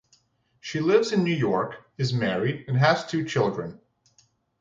She lives in New York, is married and has two children.